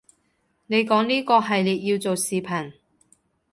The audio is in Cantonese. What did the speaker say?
你講呢個系列要做視頻